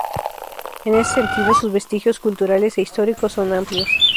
En ese sentido, sus vestigios culturales e históricos son amplios.